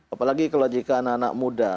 apalagi kalau jika anak anak muda